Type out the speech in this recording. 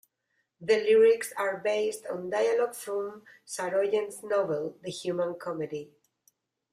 The lyrics are based on dialogue from Saroyan's novel "The Human Comedy".